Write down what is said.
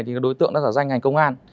thì đối tượng đã giả danh ngành công an